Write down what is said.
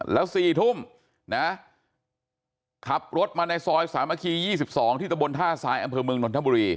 แล้ว๔ทุ่มนะขับรถมาในซอยสามัคคี๒๒ที่ตะบนท่าทรายอำเภอเมืองนนทบุรี